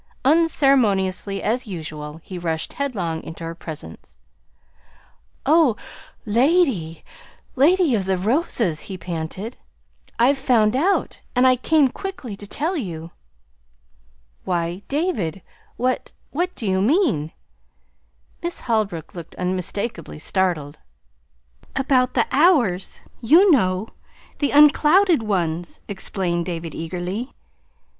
Unceremoniously, as usual, he rushed headlong into her presence. "Oh, Lady Lady of the Roses," he panted. "I've found out, and I came quickly to tell you." "Why, David, what what do you mean?" Miss Holbrook looked unmistakably startled. "About the hours, you know, the unclouded ones," explained David eagerly.